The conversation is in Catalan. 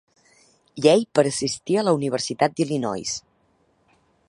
Llei per assistir a la Universitat d'Illinois.